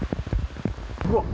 うわっ！